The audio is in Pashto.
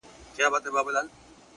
• چېرته به د سوي میني زور وینو ,